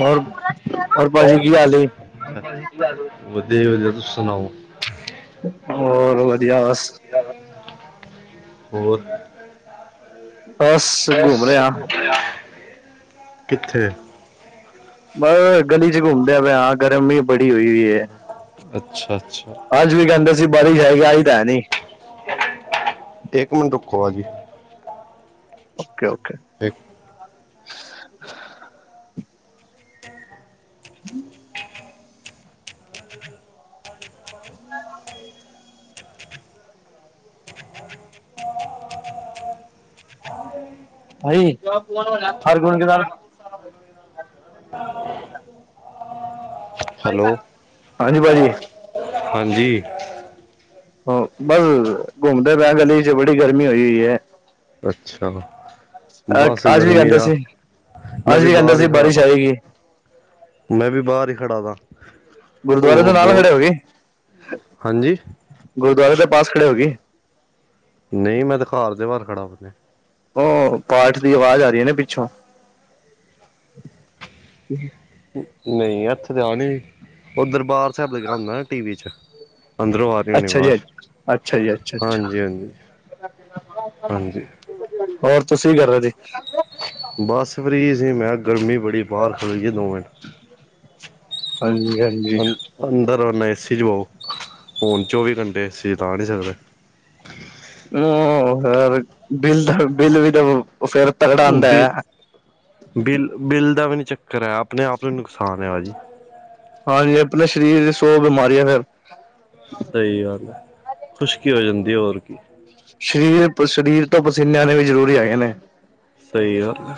ਹੋਰ ਹੋਰ ਭਾਜੀ ਕੀ ਹਾਲ ਵਧੀਆ ਵਧੀਆ ਤੁਸੀਂ ਸੁਣਾਓ? ਹੋਰ ਵਧੀਆ ਬਸ ਹੋਰ ਬਸ ਘੁੰਮ ਬਸ। ਰਿਹਾ ਕਿੱਥੇ। ਬਸ ਗਲੀ ਚ ਘੁੰਮਦੇ ਪ ਹਾਂ ਗਰਮੀ ਬੜੀ ਹੋਈ ਵੀਈ ਅੱਛਾ ਅੱਛਾ। ਅੱਜ ਵੀ ਕਹਿੰਦੇ ਸੀ ਬਾਰਿਸ਼ ਆਏਗੀ ਆਈ ਤਾਂ ਹੈ ਨੀ। ਇੱਕ ਮਿੰਟ ਰੁੱਖੋ ਅੱਜੇ ਓਕੇ-ਓਕੇ। ਇੱਕ ਹੂੰ‌ [unintelligible] ਹੈਲੋ ਹਾਂਜੀ ਪਾਜੀ ਹਾਂਜੀ। ਹ ਬਸ ਘੁੰਮਦੇ ਪਏ ਆ ਗਲੀ ਚ ਬੜੀ ਗਰਮੀ ਹੋਈ ਹੋਈ ਏ। ਅੱਛਾ। ਬਸ ਅੱਜ ਵੀ ਗਰਮੀ ਕਹਿੰਦੇ ਦਾ ਸੀ ਮੈਂ ਅੱਜ ਵੀ ਕਹਿੰਦੇ ਬਾਹਰ ਸੀ ਹੀ ਖੜ੍ਹਾ ਬਾਰਿਸ਼ ਤਾ ਆਏਗੀ ਮੈਂ ਵੀ ਬਾਹਰ ਹੀ ਖੜਾ ਸਾ ਉਹ ਗੁਰਦੁਆਰੇ ਦੇ ਹੋ ਨਾਲ ਬਹੁਤ ਖੜੇ ਗਏ ਹਾਂਜੀ ਗੁਰਦੁਆਰੇ ਦੇ ਪਾਸ ਖੜੇ ਹੋਗੇ। ਨਹੀਂ ਮੈਂ ਤਾਂ ਘਰ ਦੇ ਬਾਹਰ ਖੜਾ। ਉਹ ਪਾਠ ਦੀ ਆਵਾਜ਼ ਆ ਰਹੀ ਏ ਨਾ ਪਿੱਛੋਂ ਨਹੀਂ ਐਥੇ ਤੇ ਆ ਨੀ ਰਹੀ ਉਹ ਦਰਬਾਰ ਸਾਹਿਬ ਲਗਯਾ ਹੁੰਦਾ ਨਾ ਟੀ਼ ਵੀ ਚ ਅੰਦਰੋਂ ਆ ਰਹੀ ਹੋਣੀ ਅੱਛਾ ਜੀ। ਆਵਾਜ਼ ਅ ਅੱਛਾ ਜੀ, ਅੱਛਾ-ਅੱਛਾ। ਹਾਂਜੀ ਹਾਂਜੀ ਹਾਂਜੀ ਹੋਰ ਤੁਸੀਂ ਕੀ ਕਰ ਰਹੇ ਸੀ? ਬਸ ਫ੍ਰੀ ਸੀ ਮੈਂ ਗਰਮੀ ਬੜੀ ਬਾਹਰ ਖਲੋਇਏ ਦੋ ਮਿੰਟ ਹਾਂਜੀ ਹਾਂ। ਅ ਅੰਦਰ ਆਨਾ ਏ ਸੀ ਚੋ ਹੁਣ ਚੌਵੀ ਘੰਟੇ ਏ ਸੀ ਤਾਂ ਲਾ ਨਹੀਂ ਸਕਦੇ। ਹੂੰ ਫਿਰ ਬਿੱਲ ਦਾ ਬਿੱਲ ਵੀ ਤਾਂ ਫੇਰ ਬ ਬਿੱਲ ਬਿੱਲ ਦਾ ਵੀ ਨੀ ਚੱਕਰ ਐ ਆਪਣੇ ਆਪ ਨੂੰ ਨੁਕਸਾਨ ਹੈ ਪਾਜੀ। ਹਾਂਜੀ ਆਪਣੇ ਸਰੀਰ ਦੀ ਸੌ ਬਿਮਾਰੀਆਂ ਫੇਰ ਸਹੀ ਗੱਲ ਹੈ ਖੁਸ਼ਕੀ ਹੋ ਜਾਂਦੀ ਹੋਰ ਕੀ ਸਰੀਰ ਸਰੀਰ ਤੋਂ ਪਸੀਨਿਆਂ ਦੇ ਵੀ ਜ਼ਰੂਰੀ ਹੈਗੇ ਨੇ ਸਹੀ ਗੱਲ ਐ।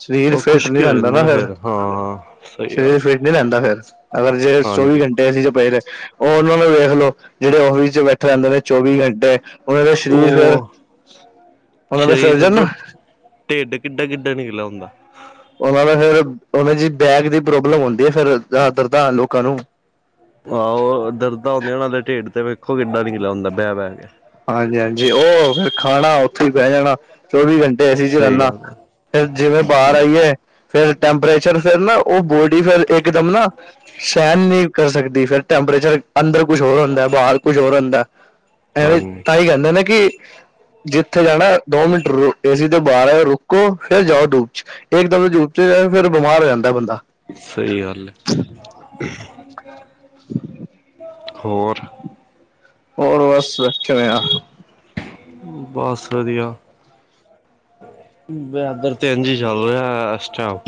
ਸਰੀਰ ਫਿੱਟ ਨੀ ਰਹਿੰਦਾ ਨਾ ਫੇਰ ਹਾਂ ਸਹੀ ਸਰੀਰ ਗੱਲ ਫਿਟ ਹੈ ਨਹੀ ਰਹਿੰਦਾ ਫੇਰ ਅਗਰ ਜੇ ਚੌਵੀ ਹਾਂਜੀ ਘੰਟੇ ਏ ਸੀ ਚ ਪਏ ਰ ਉਹ ਉਹਨਾਂ ਨੂੰ ਵੇਖਲੋ ਜਿਹੜੇ ਫਿਸ ਚ ਬੈਠੇ ਰਹਿੰਦੇ ਨੇ ਚੌਵੀ ਘੰਟੇ ਉਹਨਾਂ ਦਾ ਸਰੀਰ ਫੇਰ ਉਹ ਉਹਨਾਂ ਦਾ ਸਰੀਰ ਸਰਿਰਜਨ ਛੱਡੋ ਢਿੱਡ ਕਿੱਡਾ-ਕਿੱਡਾ ਨਿਕਲਿਆ ਹੂੰਦਾ। ਉਹਨਾਂ ਦਾ ਫੇਰ ਉਹ ਦੀ ਬੈਕ ਦੀ ਪ੍ਰੋਬਲਮ ਹੁੰਦੀ ਦੀ ਏ ਫੇਰ ਜ਼ਿਆਦਾ ਤਰ ਲੋਕਾਂ ਨੂੰ ਆਹੋ ਦਰਦਾਂ ਹੁੰਦੀਆਂ ਉਹਨਾਂ ਦੇ ਢੇਡ ਤੇ ਵੇਖੋ ਕਿੱਡਾਂ ਨੀ ਲਿਆ ਹੁੰਦਾ ਬਹਿ-ਬਹਿ ਕੇ। ਹਾਂਜੀ-ਹਾਂਜੀ ਉਹ ਫਿਰ ਖਾਣਾ ਉੱਥੇ ਹੀ ਬੈ ਜਾਣਾ ਚੌਵੀ ਘੰਟੇ ਏ ਸੀਂ ਸਹੀ ਰਹਿਣਾ। ਗੱਲ ਹੈ ਫਿਰ ਜਿਵੇਂ ਬਾਹਰ ਆਈਏ ਫਿਰ ਟੈਂਪਰੇਚਰ ਫਿਰ ਨਾ ਉਹ ਬੋਡੀ ਫਿਰ ਇੱਕ ਦਮ ਨਾ ਸਹਿਣ ਨਹੀਂ ਕਰ ਸਕਦੀ ਫਿਰ ਟੈਂਪਰੇਚਰ ਅੰਦਰ ਕੁੱਛ ਹੋਰ ਹੁੰਦਾ ਬਾਹਰ ਕੁੱਛ ਹੋਰ ਹੁੰਦਾ। ਐਵੇਂ ਹਾਂਜੀ ਤਾਂਹੀ ਕਹਿੰਦੇ ਨੇ ਕਿ ਜਿੱਥੇ ਜਾਣਾ ਦੋ ਮਿੰਟ ਏਸੀ ਤੋਂ ਬਾਹਰ ਆ ਰੁਕੋ ਫੇਿਰ ਜਾਓ ਡੂਬ ਚ ਇੱਕ ਦਮ ਜੂ ਚ ਜਾਏ ਫਿਰ ਬਿਮਾਰ ਹੋ ਜਾਂਦਾ ਬੰਦਾ। ਸਹੀ ਗੱਲ ਏ। ਹੋਰ ਹੋਰ ਬਸ ਕਿਵੇਂ ਆ? ਬਸ ਵਧੀਆ। ਜਾਦਾਤਰ ਤੇ ਐਂਜ ਇ ਚੱਲ ਰਿਹਾ ਇਸਟੈਮ।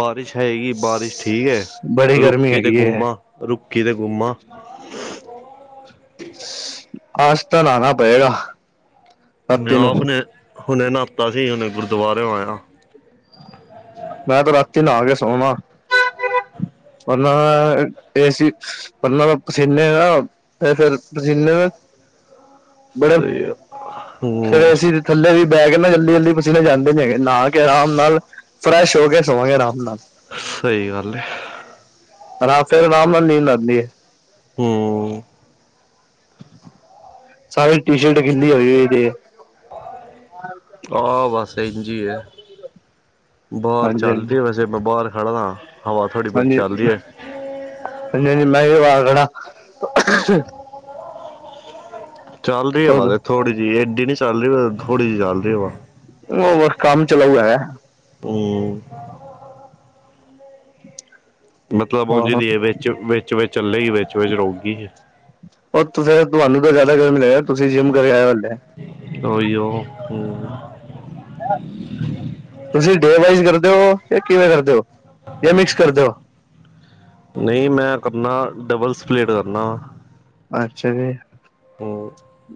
ਬਾਰਿਸ਼ ਹੈਗੀ ਬਾਰਿਸ਼ ਠੀਕ ਏ ਬੜੀ ਗਰਮੀ ਰੁਕੀ ਤੇ ਹੈਗੀ ਹੈ ਗੁਮਾ ਰੁੱਕੀ ਤੇ ਗੁਮਾ। [inaudible] ਅੱਜ ਤਾਂ ਨਾਨਾ ਪਏਗਾ। ਮੈਂ ਰਾਤੀ ਨੂੰ ਆਪ ਨੇ ਹੁਣੇ ਨਾਤਾ ਸੀ ਹੁਣੇ ਗੁਰਦੁਆਰਓ ਆਇਆ। ਮੈਂ ਤੇ ਰਾਤੀ ਨਾਕੇ ਸੋਵਾ। ਮਤਲਬ ਏ ਸੀ ਮਤਲਬ ਪਸੀਨੇ ਨਾ। ਤੇ ਫਿਰ ਪਸੀਨੇ ਬੜੇ ਸਹੀ ਆ ਹੂੰ ਫੇਰ ਅਸੀਂ ਥੱਲੇ ਵੀ ਬੇਹ ਕੇ ਨਾ ਜਲਦੀ ਜਲਦੀ ਪਸੀਨੇ ਜਾਂਦੇ ਨੀ ਹੈਗੇ ਨਾ ਕੇ ਆਰਾਮ ਨਾਲ ਫਰੈਸ਼ ਹੋ ਕੇ ਸੋਵਾ ਗੇ ਆਰਾਮ ਨਾਲ ਸਹੀ ਗੱਲ ਹੈ। ਰਾਤੀ ਤੇ ਆਰਾਮ ਨਾਲ ਨੀਂਦ 'ਆਣਦੀ' ਹੈ। ਹਮ। ਸਾਰੀ ਟੀ ਸ਼ਰਟ ਗੀਲੀ ਹੋਈ ੳਈ ਦੇਖ ਹਾ ਬਸ ਇੰਝ ਈ ਹੈ ਬਾਹਰ ਹਾਂਜੀ ਹਾਂਜੀ ਚੱਲਦੀ ਹੈ ਵੈਸੇ ਮੈਂ ਬਾਹਰ ਖੜ੍ਹਦਾ ਹਵਾ ਥੋੜ੍ਹੀ ਬਹੁਤੀ ਹਾਂਜੀ ਚੱਲਦੀ ਹੈ। ਹਾਂਜੀ, ਹਾਂਜੀ ਮੈਂ ਵੀ ਬਾਹਰ ਖੜਾ ਚੱਲਦੀ ਹਵਾ ਤੇ ਥੋੜ੍ਹੀ ਜਿਹੀ ਐਡੀ ਨੀ ਚੱਲ ਰਹੀ ਪਰ ਥੋੜੀ ਜਹੀ ਚੱਲ ਰਹੀ ਹੈ ਹਵਾ ਹੋਰ ਕੰਮ ਚਲਾਊ ਹੈ। ਹਮ। ਮਤਲਬ ਉਝਦੀ ਹੈ ਵਿੱਚ, ਵਿੱਚ, ਵਿਚ ਚੱਲੇਗੀ ਵਿੱਚ ਵਿਚ ਰੋਕ ਗਈ ਹੈ। ਉਹ ਤੁਸੀ ਤੁਹਾਨੂੰ ਤਾਂ ਜ਼ਿਆਦਾ ਗਰਮੀ ਲੱਗ ਦੀ ਤੁਸੀਂ ਜਿੰਮ ਕਰਕੇ ਆਏ ਹੋ ਹਲੇ। ਓਈ ਓ, ਤੁਸੀਂ ਡੇ ਵਾਈਜ਼ ਕਰਦੇ ਓ ਜਾਂ ਕਿਵੇਂ ਕਰਦੇ ਓ ਜਾਂ ਮਿਕਸ ਕਰਦੇ ਓ? ਨਹੀਂ ਮੈਂ ਕਰਨਾ ਡਬਲ ਸਪਲੇਟ ਕਰਨਾ। ਅੱਛਾ ਜੀ। ਹਮ,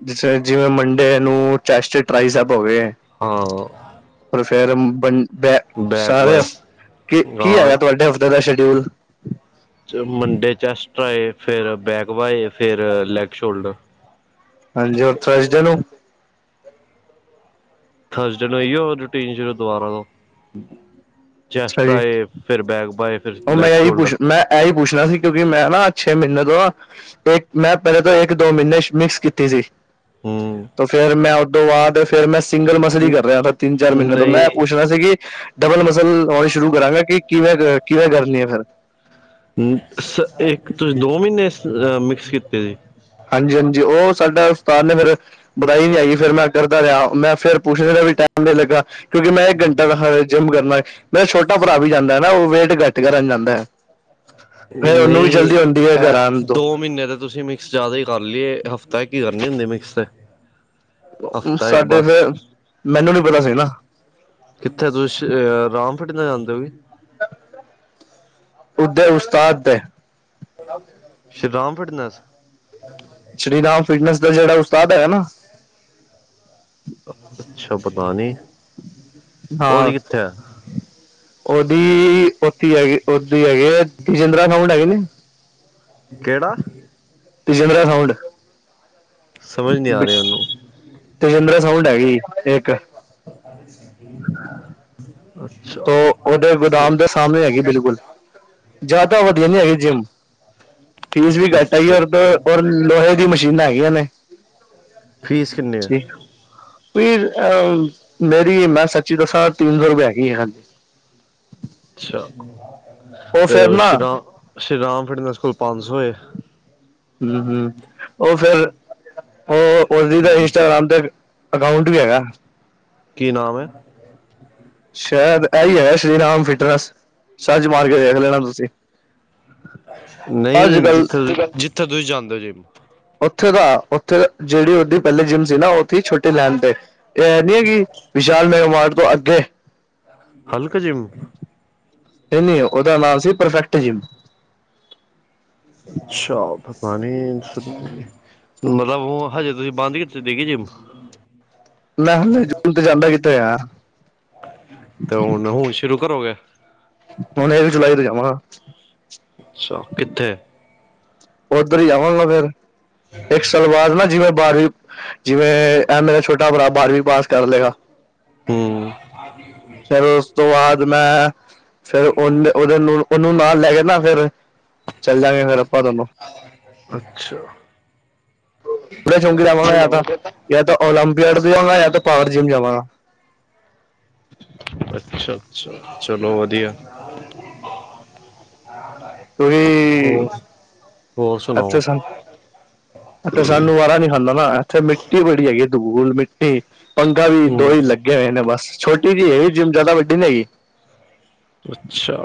ਜਿਸਲੇ ਜਿਵੇਂ ਮੰਡੇ ਨੂੰ ਚੈਸਟ ਟਾ੍ਈਸੇਪ ਹੋਗੇ, ਹਾਂ। ਪਰ ਫੇਰ ਬ ਬੇ ਬੈਕ ਸਾਰੇ ਵਾਇਸ ਕੀ ਕੀ ਹਾਂ ਹੈਗਾ ਤੁਹਾਡੇ ਤੇਰਾ ਸ਼ੀਡਿਊਲ। ਮੰਡੇ ਚੈਸਟ ਟਾ੍ਇ ਫੇਰ ਬੈਕ ਵਏ ਫੇਰ ਲੈਗ ਸ਼ੋਲਡਰ। ਹਾਂਜੀ ਹੁਨ ਥਰਸਡੇ ਨੂੰ ਥਰਸਡੇ ਨੂੰ ਆਇਓ ਰੂਟੀਨ ਸ਼ੁਰੂ ਦੁਬਾਰਾ ਤੋਂ। ਚੈਸਟ ਅੱਛਾ ਜੀ ਟ੍ਆਈ ਫੇਰ ਬੈਕ ਬਾਏ ਫੇਰ ਲੈਗ ਸ਼ੋਲਡਰ। ਐ ਹੀ ਪੁੱਛਨਾ ਸੀ ਕਿਉਂਕਿ ਮੈਂ ਨਾ ਛੇ ਮਹੀਨੇ ਤੋਂ ਇੱਕ ਮੈਂ ਪਹਿਲੇ ਤੋਂ ਇੱਕ ਦੋ ਮਹੀਨੇ ਮਿਕਸ ਕੀਤੀ ਸੀ। ਹੂੰ ਤੇ ਫੇਰ ਮੈਂ ਉਹਦੋ ਬਾਅਦ ਫੇਰ ਮੈਂ ਸਿੰਗਲ ਮਸਲੀ ਕਰ ਰਯਾ ਥਾ ਤਿੰਨ ਚਾਰ ਮਹੀਨੇ ਤੋਂ ਮੈਂ ਨਹੀਂ ਪੁੱਛਨਾ ਸੀ ਕਿ ਡਬਲ ਮਸ ਸਲ ਔਰ ਸ਼ੁਰੂ ਕਰਾਂਗਾ ਕਿ ਕਿਵੇਂ ਕਿਵੇਂ ਕਰਨੀ ਏ ਫਿਰ। ਸ ਇੱਕ ਤੋ ਦੋ ਮਹੀਨੇ ਮਿਕਸ ਕੀਤੇ ਸੀ? ਹਾਂਜੀ, ਹਾਂਜੀ ਓ ਸਾਡਾ ਉਸਤਾਦ ਨੇ ਫੇਰ ਕਰਾਈ ਨੀ ਹੇਗੀ ਫਿਰ ਮੈਂ ਕਰਦਾ ਰਿਹਾ ਮੈਂ ਫਿਰ ਪੁੱਛਹਾ ਵੀ ਟਾਈਮ ਲੱਗਾ ਕਿਉਂਕਿ ਮੈਂ ਇੱਕ ਘੰਟਾ ਜਿੰਮ ਕਰਨਾ ਮੇਰਾ ਛੋਟਾ ਭਰਾ ਵੀ ਜਾਂਦਾ ਐ ਨਾ ਓਹ ਵੇਟ ਘੱਟ ਕਰਨ ਜਾਂਦਾ ਐ। ਨਹੀਂ ਹੈ ਐ ਘਰ ਆਣ ਤੋਂ ਦੋ ਮਹੀਨੇ ਦਾ ਤੁਸੀਂ ਮ ਤੁਸੀ ਜ਼ਿਆਦਾ ਈ ਕਰ ਲਈ ਏ ਹਫ਼ਤਾ ਕੀ ਕਰਨੀ ਹੁੰਦੀ ਏ ਮਿਕਸ ਤੇ। ਹਫ਼ਤਾ ਇੱਕ ਸਾਡੇ ਬਸ ਫੇਰ ਮੈਨੂੰ ਨੀ ਪਤਾ ਸੀ ਨਾ। ਕਿੱਥੇ ਤੁਸੀਂ ਰਾਮ ਫਿੱਟਨੈੱਸ ਜਾਂਦੇ ਓ ਕੀ? [unintelligible] ਉਹਦਰ ਉਸਤਾਦ ਦੇ, ਸ਼੍ਰੀ ਰਾਮ ਫਿਟਨਸ, ਸ਼੍ਰੀ ਰਾਮ ਫਿਟਨੈਸ ਦਾ ਜਿਹੜਾ ਉਸਤਾਦ ਹੈਗਾ ਨਾ, ਅੱਛਾ ਪਤਾ ਨੀ ਉਹਦੀ ਹਾਂ ਕਿੱਥੇ ਆ, ਉਹਦੀ,, ਉੱਥੇ ਹੈਗੀ, ਉਹਥੇ ਹੈਗੇ ਤਜੀਂਦਰਾ ਸਾਊਂਡ ਹੈਗੇ ਨੇ, ਕਿਹੜਾ? ਤਜਿੰਦਰਾ ਸਾੰਊਂਡ। ਸਮਝ ਨਹੀਂ ਆ ਰਹੀ, ਉਹਨੂੰ। ਤੇ ਚੰਦਰਾ ਸਾੰਊਂਂਡ ਹੈਗੀ, ਇੱਕ। ਪਤਾ [unintelligible] ਤੋ, ਓਹਦੇ ਗੋਦਾਮ ਦੇ ਸਾਹਮਨੇ ਹੈਗੀ, ਬਿਲਕੁਲ। ਜਿਆਦਾ ਵਧੀਆ ਨੀ ਹੈਗੀ ਜਿੰਮ, ਫੀਸ ਵੀ ਘੱਟ ਹੈਗੀ, ਅੱਛਾ ਔਰ ਲੋਹੇ ਦੀ ਮਸ਼ੀਨਾਂ ਹੈਗੀਆਂ ਨੇ। ਫ਼ੀਸ ਕਿੰਨੀ ਏ? ਜੀ ਫਿਰ, ਮੇਰੀ ਮੈਂ ਸੱਚੀ ਦੱਸਾਂ ਤਿੰਨ-ਸੋ ਰੁਪਏ ਹੈਗੀ ਏ, ਹਾਂਜੀ। ਅੱਛਾ। ਉਹ ਤੇ, ਫਿਰ ਓਹ ਨਾ ਸ਼੍ਰੀਰਾਮ, ਸ਼੍ਰੀਰਾਮ ਫਿਟਨੇਸ ਕੋਲ ਪੰਜ-ਸੋ ਏ। ਹੂੰ, ਹੂੰ, ਓਹ ਫੇਰ ਓਹ, ਓਦੀ ਤਾਂ ਇੰਸਟਾਗ੍ਰਾਮ ਤੇ ਅਕਾੰਊਂਟ ਵੀ ਹੈਗਾ। ਕੀ ਨਾਮ ਐ? ਸ਼ਾਇਦ ਐਹ ਹੀ ਹੈ, ਸ਼੍ਰੀਰਾਮ ਫਿਟਨੈਸ ਸਰਚ ਮਾਰਕੇ ਦੇੇਖ ਲੇਣਾ ਤੁਸੀਂ। ਅੱਜ ਨਹੀਂ, ਕੱਲ ਜਿੱਥੇ, ਜਿੱਥੇ ਤੁਸੀਂ ਜਾਂਦੇ ਓ, ਜੀ। ਓਥੇ ਦਾ, ਓਥੇ ਜਿਹੜੀ ਉਹਦੀ ਪਹਿਲੇ ਜਿੰਮ ਸੀ ਨਾ, ਓੱਥੇ ਈ, ਛੋੱਟੀ ਲਾਇਣ ਤੇ। ਇਹ ਐਨੀ ਹੈਗੀ, ਵਿਸ਼ਾਲ ਮੈਗਮਾਨ ਤੋਂ ਅੱਗੇ? ਹਲਕਾ ਜਿੰਮ। ਨਹੀਂ-ਨਹੀ ਉਹਦਾ ਨਾਮ ਸੀ, ਪਰਫੈਕਟ ਜਿੰਮ। ਅੱਛਾ, ਪਤਾ ਨੀ ਮਤਲਬ ਓ ਹਜੇ, ਤੁਸੀਂ ਬੰਦ ਕੀਤੀ ਦੀਗੀ ਜਿੰਮ? ਮੈਂ ਹਲੇ ਜੂਨ ਤੇ ਜਾਂਦਾ ਕਿੱਥੇ ਆ ਤੇ, ਹੁਨ, ਓਨ ਸ਼ੁਰੂ ਕਰੋਗੇ? ਹੁਣ, ਇਹ ਵੀ ਜੁਲਾਈ ਤੋਂ ਜਾਵਾਂਗਾ। ਅੱਛਾ, ਕਿੱਥੇ? ਉਧਰ ਹੀ ਜਾਵਾਂਗਾ ਮੈਂ ਫਿਰ, ਇੱਕ ਸਾਲ ਬਾਅਦ ਨਾ ਜਿਂਵੇ ਬਾਰਵੀਂ, ਜਿਵੇਂ ਐ ਮੇਰਾ ਛੋਟਾ-ਭਰਾ ਬਾਰ੍ਹਵੀਂ ਪਾਸ ਕਰਲੇਗਾ। ਹੂੰ ਫਿਰ ਉਸ ਤੋਂ ਬਾਅਦ, ਮੈਂ' ਫੇਰ ਉਹਲ, ਉਹਦੇ ਨੂੰ, ਉਹਨੂੰ ਨਾਲ ਲੈਕੇ ਨਾ ਫਿਰ ਚੱਲ ਜਾਂਗੇ ਫਿਰ ਆਪਾਂ ਦੋਨੋਂ ਅੱਛਾ। ਲਿਆਵਾਂਗਾ ਫੇਰ ਤਾਂ। ਯਾ ਤਾਂ ਓਲੰਪੀਅਡ ਜਾਵਾਂਗਾ, ਯਾ ਤਾਂ ਪਾਵਰ ਜਿੰਮ ਜਾਵਾਂਗਾ। ਅੱਛਾ-ਅੱਛਾ, ਚਲੋ ਵਧੀਆ। ਤੁਹੀ, ਹੋਰ ਹੋਰ ਅਛਾ ਸਨ ਸੁਣਾਓ ਸਾਨੂੰ ਵਾਰਾ ਨੀ ਖਾਂਦਾ ਨਾ, ਇੱਥੇ ਮਿੱਟੀ ਬੜੀ ਹੈਗੀ, ਧੂਲ, ਮਿੱਟੀ ਪੰਗਾ ਵੀ ਦੋਹੀ ਹਮ ਲੱ ਗੇ ਹੋਏ ਨੇ ਬਸ, ਛੋਟੀ ਜਿਹੀ ਇਹ ਜਿੰਮ ਜ਼ਿਆਦਾ ਵੱਡੀ ਨੀ ਹੈਗੀ। ਅੱਛਾ।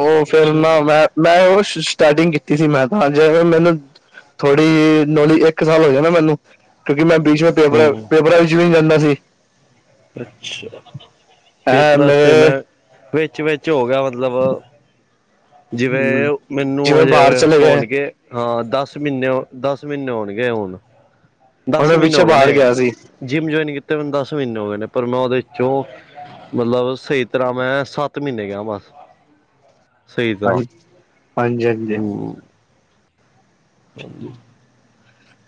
ਉਹ ਫਿਰ ਅੱਛਾ ਨਾ, ਮੈਂ ਮੈਂ, ਉਹ ਸਟਾਰਟਿੰਗ ਕੀਤੀ ਸੀ, ''ਮੈਂ ਤਾਂ, ਜੇ ਮੈਨੂੰ ਥੋੜੀ, ਨੌਲੀ ਇੱਕ ਸਾਲ ਹੋ ਜਾਨਾ ਮੈਨੂੰ। ਕਿਉਂਕਿ ''ਮੈਂ ਬੀਚ ਮੇਂ, ਪੇਪਰ, ਹਮ ਪੇਪਰਾਂ ਵਿੱਚ ਵੀ ਜਾਂਦਾ ਸੀ। ਅੱਛਾ, ਇਹ ਪੇਪਰਾ ਆਸਤੇ ਮੇਰੇ ''ਮੈਂ ਵਿੱਚ-ਵਿਚ ਹੋਗਿਆ, ਮਤਲਬ ਹਮ, ਜਿਵੇਂ ਮੈਨੂੰ ਜਿਵੇਂ ਹਜੇ, ਬਾਹਰ ਚਲੇ ਗਏ ਹੋਣਗੇ ਹਾਂ, ਦੱਸ ਮਹੀਨੇ, ਦੱਸ ਮਹੀਨੇ ਹੋਣਗੇ, ਹੁਣ। ਹੁਣ ਦਸ ਮੈਂ ਮਹੀਨੇ ਪਿੱਛੇ ਹੋ ਗਏ ਨੇ, ਬਾਹਰ ਗਿਆ ਸੀ ਜਿੰਮ ਜੁਆਇਨ ਕੀਤੇ ਨੇ ਦੱਸ ਮਹੀਨੇ ਹੋ ਗਏ ਨੇ, ਪਰ ''ਮੈਂ ਉਹਦੇ ਵਿੱਚੋਂ ਮਤਲਬ, ਸਹੀ ਤਰ੍ਹਾਂ ਮੈਂ ਸੱਤ-ਮਹੀਨੇ ਗਿਆਂ ਬਸ। ਸਹੀ ਤਰ੍ਹਾਂ, ਹਾਂਜੀ ਹਾਂਜੀ ਹਾਂਜੀ ਹੂੰ। ਪੰਜੀ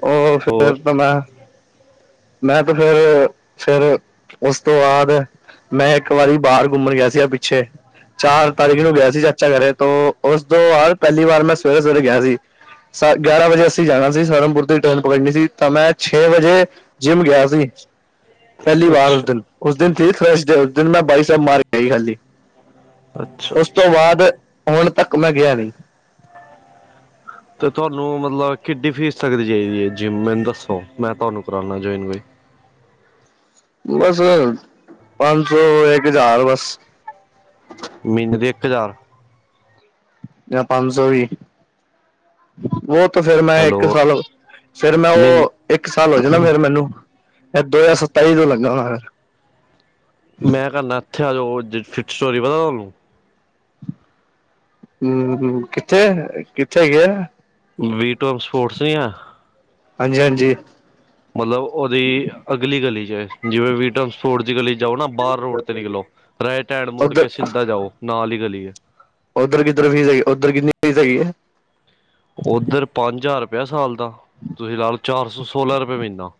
ਉਹ ਫੇਰ ਤਾਂ, ਮੈਂ ਮੈਂ ਤੇ ਫੇਰ, ਫੇਰ ਉਸ ਤੋਂ ਬਾਅਦ ਮੈਂ ਇੱਕ ਵਾਰੀ ਬਾਹਰ ਘੁੰਮਣ ਗਿਆ ਸੀਗਾ ਪਿੱਛੇ ਚਾਰ ਤਾਰੀਖ ਨੂੰ ਗਿਆ ਸੀ। ਚਾਚਾ ਕਰੇ ਤੋਂ ਉਸ ਦ ਵਾਰ ਪਹਿਲੀ ਵਾਰ ਮੈਂ ਸਵੇਰੇ-ਸਵੇਰੇ ਗਿਆ ਸੀ। ਗਿਆਰਾਂ ਵਜੇ ਅਸੀਂ ਜਾਣਾ ਸੀ ਸਹਰਮਪੁਰ ਟਰੇਨ ਪਕੜਣੀ ਸੀ ਤਾਂ ਮੈਂ ਛੇ ਵਜੇ ਜਿੰਮ ਗਿਆ ਸੀ। ਪਹਿਲੀ ਵਾਰ ਉਸ ਦਿਨ ਅੱਛਾ ਉਸ ਦਿਨ ਥੀ ਥਰਸਡੇ ਉਸ ਦਿਨ ਮੈਂ ਬਾਈਸੇਪ ਮਾਰ ਕੇ ਆਈ ਖਾਲੀ ਅੱਛਾ ਉਸ ਤੋਂ ਅੱਛਾ ਬਾਅਦ ਹੁਣ ਤੱਕ ਮੈਂ ਗਿਆ ਨੀ ਤੇ ਤੁਹਾਨੂੰ ਮਤਲਬ ਕਿੱਡੀ ਫੀਸ ਤੱਕਦੀ ਚਾਹੀਦੀ ਐ ਜਿੰਮ, ਮੈਨੂੰ ਦੱਸੋ ਮੈਂ ਤੁਹਾਨੂੰ ਕਰਾਣਾ ਜੁਆਇਨ ਬਈ ਬੱਸ ਪੰਜ ਸੌ-ਇੱਕ ਹਜ਼ਾਰ ਬਸ ਮਹੀਨੇ ਦੇ ਇੱਕ ਹਜ਼ਾਰ ਯਾਂ ਪੰਜ ਸੌ ਵੀ ਉਹ ਤਾਂ ਫੇਰ ਮੈਂ ਹੈਲੋ ਇੱਕ ਸਾਲ, ਫੇਰ ਮੈਂ ਮਹੀਨ ਉਹ ਇੱਕ ਸਾਲ ਹੋ ਜਾਣਾ ਫੇਰ ਮੈਨੂੰ ਇਹ ਦੋ ਹਜ਼ਾਰ ਸਤਾਈ ਤੋਂ ਲੱਗਾ ਹੋਣਾ ਫਿਰ ਮੈਂ ਕਰਨਾ ਇੱਥੇ ਆ ਜੋ, ਫਿਟ ਸਟੋਰੀ ਪਤਾ ਤੁਹਾਨੂੰ ਹੂੰ-ਹੂੰ, ਕਿੱਥੇ-ਕਿੱਥੇ ਹੈਗੇ ਆ? ਵੀ ਟੋਮ ਸਪੋਰਟਸ ਨੀ ਆ। ਹਾਂਜੀ-ਹਾਂਜੀ। ਮਤਲਬ ਉਹਦੀ ਅਗਲੀ ਗਲੀ ਚ ਐ, ਜਿਵੇਂ ਵੀ ਟਮ ਸੋਰਜੀ ਗਲੀ ਜਾਓ ਨਾ, ਬਾਹਰ ਰੋਡ ਤੇ ਨਿਕਲੋ ਰਾਈਟ ਹੈਂਡ ਮੋੜ ਉੱਧਰ ਕੇ ਸਿੱਧਾ ਜਾਓ ਨਾਲ ਹੀ ਗਲੀ ਐ। ਉਧਰ ਕਿੱਧਰ ਫੀਸ, ਉਧਰ ਕਿਧਨੀ ਫੀਸ ਹੈਗੀ ਐਂ? ਉੱਧਰ ਪੰਜ ਹਜ਼ਾਰ ਰੁਪਇਆ ਸਾਲ ਦਾ, ਤੁਸੀਂ ਲਾ ਲਓ ਚਾਰ ਸੌ ਸੋਲਾਂ ਰੁਪਏ ਮਹੀਨਾ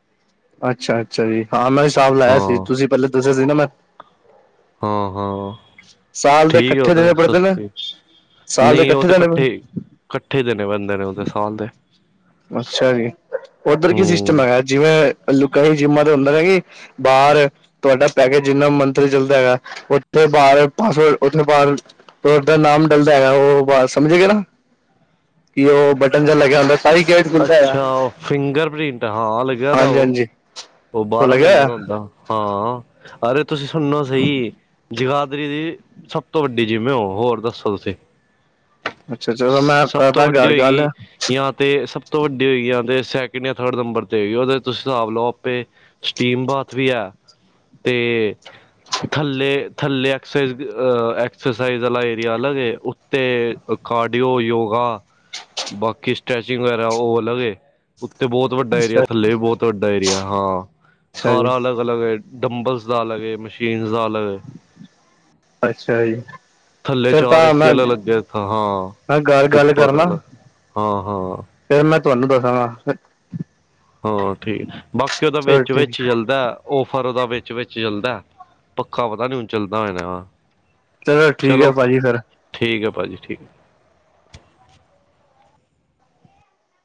ਅੱਛਾ-ਅੱਛਾ ਜੀ, ਹਾਂ ਮੈਂ ਵੀ ਹਿਸਾਬ ਲਾਇਆ ਹਾਂ ਸੀ। ਤੁਸੀਂ ਪਹਿਲੇ ਦੱਸਿਆ ਸੀ ਨਾ ਮੈਂ ਹਾਂ-ਹਾਂ। ਸਾਲ ਦੇ ਠੀਕ ਆ ਉਹ ਇਕੱਠੇ ਤੇ ਦੇਣੇ ਪੜਦੇ ਨੇ ਸਸਤੀ, ਸਾਲ ਦੇ ਨਈ ਉਹ ਇਕੱਠੇ ਤੇ ਦੇਣੇ ਪੜ ਕੱਟੇ ਕੱਠੇ ਦਿਣੇ ਬੰਦੇ ਨੇ ਉਹਦੇ ਸਾਲ ਦੇ ਅੱਛਾ ਜੀ, ਉੱਧਰ ਕੀ ਸਿਸਟਮ ਹੂੰ ਹੈਗਾ ਜਿਵੇਂ ਲੂਕਾਂ ਜਿੰਮਾਂ ਤੇ ਹੁੰਦਾ ਹੈਗੇ ਬਾਹਰ ਤੁਹਾਡਾ ਪੈਕੇਜ ਜਿੰਨਾ ਮੰਥਲੀ ਚੱਲਦਾ ਹੈਗਾ, ਉੱਥੇ ਬਾਹਰ ਬਸ ਉਥੇ ਬਾਹਰ ਦਾ ਨਾਮ ਡਲਦਾ ਹੈਗਾ ਉਹ ਆਵਾਜ਼ ਸਮਝ ਗਿਆ੍ ਨਾ ਕਿ ਉਹ ਬਟਨ ਜਿਹਾ ਲੱਗ ਹੁੰਦਾ ਤਾਹੀਂ ਗੇਟ ਖੁੱਲਦਾ ਹੈਗਾ ਅੱਛਾ, ਫਿੰਗਰ ਪ੍ਰਿੰਟ ਹਾਂ ਲੱਗਿਆ ਦਾ ਹਾਂਜੀ ਉਹ ਹਾਂਜੀ ਉਹ ਬਾਰਾਂ ਭੁੱਲ ਮਹੀਨੇ ਗਿਆ ਦਾ ਹੁੰਦਾ। ਹਾਂ, ਅਰੇ ਤੁਸੀਂ ਸੁਣੋ ਸਹੀ ਜਗਾਦਰੀ ਦੀ ਸਭ ਤੋਂ ਵੱਡੀ ਜਿਮ ਓਹ, ਹੋ ਹੋਰ ਦੱਸੋ ਤੁਸੀਂ ਅੱਛਾ ਚਲੋ ਮੈਂ ਸਭ ਤੋਂ ਕਰਦਾ ਵੱਡੀ ਘਰ ਗੱਲ ਹੋਏਗੀ ਜਾਂ ਤਾਂ ਸਭ ਤੋਂ ਵੱਡੀ ਹੋਏਗੀ, ਯਾਂ ਤੇ ਸੈਕਿੰਡ ਜਾਂ ਥਰਡ ਨੰਬਰ ਤੇ ਹੋਏਗੀ, ਉਹਦੇ ਤੁਸੀਂ ਹਿਸਾਬ ਲਓ ਆਪ ਤੇ ਸਟੀਮ ਬਾਥ ਵੀ ਐ ਤੇ ਥੱਲੇ, ਥੱਲੇ ਐਕ ਅ ਐਕਸਰਸਾਈਜ਼ ਵਾਲਾ ਏਰੀਆ ਅਲੱਗ ਏ ਤੇ ਕਾਰਾਡੀਓ, ਯੋਗਾ ਬਾਕੀ ਸਟ੍ਰੈਚਿੰਗ ਵਗੈਰਾ ਉਹ ਅਲਗੇ ਏ। ਉੱਥਤੇ ਬਹੁਤ ਵੱਡਾ ਏਰੀਆ, ਅੱਛਾ ਥੱਲੇ ਵੀ ਬਹੁਤ ਵੱਡਾ ਏਰੀਆ। ਹਾਂ, ਅੱਛਾ ਜੀ ਸਾਰਾ ਅਲੱਗ ਅਲਗ ਏ ਡੰਬਰਸ ਦਾ ਅਲਗ ਏ, ਮਸ਼ੀਨ ਦਾ ਅਲੱਗ ਏ ਅੱਛਾ ਜੀ। ਥੱਲੇ ਫਿਰ ਚਾਰ ਤਾਂ ਏਸੀ ਮੈਂ ਵਾਲੇ ਲੱਗੇ, ਹਾਂ ਮੈਂ ਘਰ ਗੱਲ ਉੱਪਰ ਕਰਨਾ ਹਾਂ-ਹਾਂ। ਫਿਰ ਮੈਂ ਤੁਹਾਨੂੰ ਦੱਸਾਂਗਾ। ਹਾਂ ਠੀਕ, ਬਾਕੀ ਉਹਦਾ ਚਲੋ ਵਿੱਚ-ਵਿੱਚ ਠੀਕ ਚੱਲਦਾ। ਆਫਰ ਉਹਦਾ ਵਿੱਚ-ਵਿਚ ਚੱਲਦਾ, ਪੱਖਾ ਪਤਾ ਨੀ ਹੁਣ ਚੱਲਦਾ ਹੋਏ ਨਾ। ਚਲੋ ਠੀਕ ਐ ਪਾਜੀ ਫੇਰ। ਠੀਕ ਐ, ਪਾਜੀ ਠੀਕ ਐ।